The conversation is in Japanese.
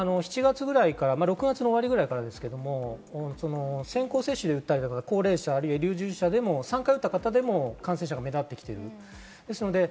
４月ぐらいから６月終わりくらいから先行接種で打たれた高齢者、医療従事者でも３回打った方でも感染者が目立ってきています。